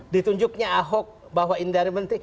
ditunjuknya ahok bahwa ini dari menteri